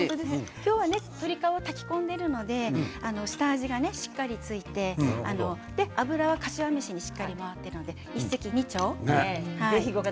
今日は鶏皮を炊き込んでいるので下味がしっかり付いて脂はかしわ飯にしっかり回っているので一石二鳥。